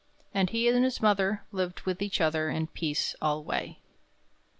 And he and his mother lived with each other In peace alway.